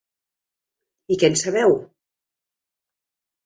I què en sabeu?